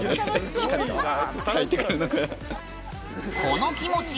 この気持ち